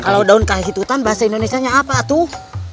kalau daun kahitutan bahasa indonesianya apa tuh